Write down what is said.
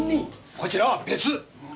こちらは別。